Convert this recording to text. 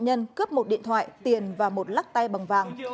nạn nhân cướp một điện thoại tiền và một lắc tay bằng vàng